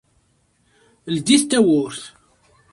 Ldit tawwurt.